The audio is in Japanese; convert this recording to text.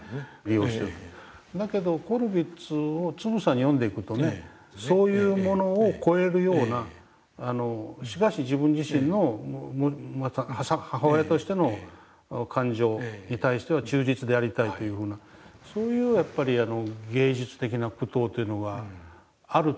だけどコルヴィッツをつぶさに読んでいくとねそういうものを超えるようなしかし自分自身の母親としての感情に対しては忠実でありたいというふうなそういうやっぱり芸術的な苦闘というのがあると思うんです。